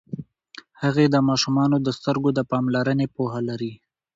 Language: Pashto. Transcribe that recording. هغې د ماشومانو د سترګو د پاملرنې پوهه لري.